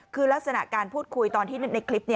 คือลักษณะการพูดคุยตอนที่ในคลิปนี้